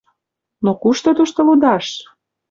Но кушто тушто лудаш!